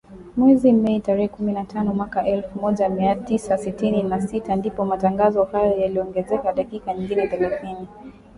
Mwezi Mei, tarehe kumi na tano, mwaka elfu moja mia tisa sitini na sita, ndipo matangazo hayo yaliongezewa dakika nyingine thelathini.